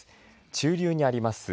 中流にあります